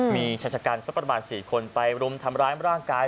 มีชายชะกันสักประมาณ๔คนไปรุมทำร้ายร่างกาย